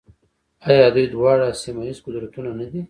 آیا دوی دواړه سیمه ییز قدرتونه نه دي؟